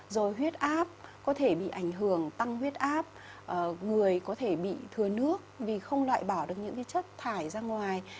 rồi huyết áp có thể bị ảnh hưởng tăng huyết áp người có thể bị thừa nước vì không loại bỏ được những chất thải ra ngoài